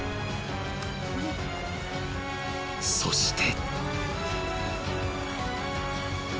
そして。